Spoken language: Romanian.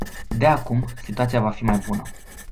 De acum, situația va fi mai bună.